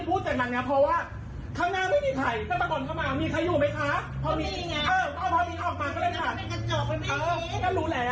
ก็จะได้เห็นระยะปัดพิงด้วยอีกตรงที่มึงภาคกลัว